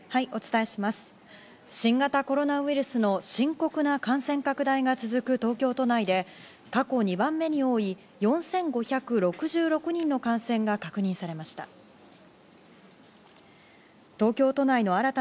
新型コロナウイルスの深刻な感染拡大が続く東京都内で過去２番目に多い４５６６人の感染が確認されました。